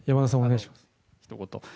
ひと言。